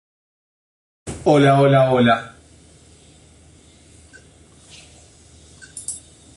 Drummond Law.